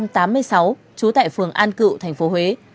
trú tại phường an cựu thành phố huế